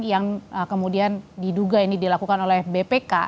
yang kemudian diduga ini dilakukan oleh bpk